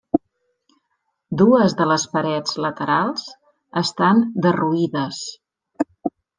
Dues de les parets laterals estan derruïdes.